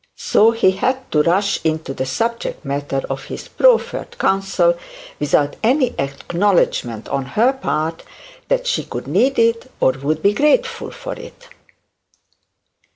So he had to rush into the subject matter of his proffered counsel without any acknowledgement on her part that she could need it, or would be grateful for it.